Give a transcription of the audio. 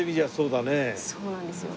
そうなんですよ。